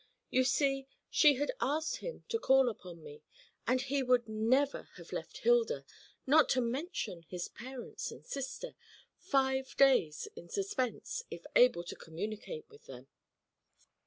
You see, she had asked him to call upon me, and he would never have left Hilda not to mention his parents and sister five days in suspense if able to communicate with them.'